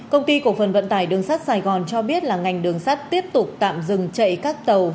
công ty cổ phần vận tải đường sắt sài gòn cho biết là ngành đường sắt tiếp tục tạm dừng chạy các tàu